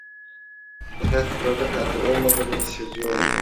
Fakat duracak halde olmadığını seziyordu.